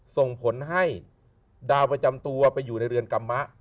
ส่งผลให้ดาวประจำตัวไปอยู่ในเรือนกรรมะ